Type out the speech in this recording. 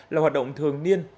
là hoạt động thường niên